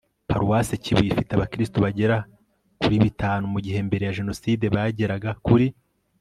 paruwasi kibuye ifite abakristu bagera kuri bitanu mu gihe mbere ya jenoside bageraga kuri